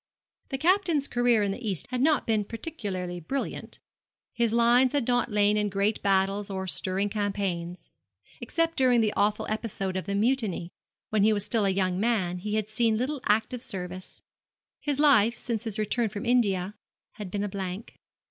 The Captain's career in the East had not been particularly brilliant. His lines had not lain in great battles or stirring campaigns. Except during the awful episode of the Mutiny, when he was still a young man, he had seen little active service. His life, since his return from India, had been a blank.